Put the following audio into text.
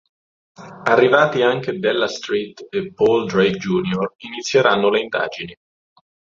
Arrivati anche Della Street e Paul Drake Jr. inizieranno le indagini.